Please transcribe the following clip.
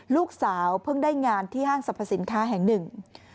ลูกสาวเพิ่งได้งานที่ห้างสรรพสินค้าแห่งหนึ่ง